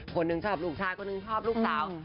คนหนึ่งชอบลูกชายคนหนึ่งชอบลูกสาว